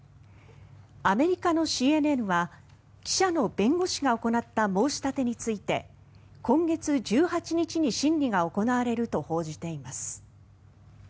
アメリカのＣＮＮは記者の弁護士が行った申し立てについて今月１８日に審理が行われると報じています。